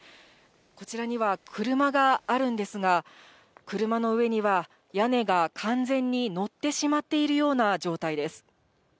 こちらには車があるんですが、車の上には、屋根が完全に載ってしまっているような状態です。